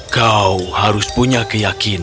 kau harus punya keyakinan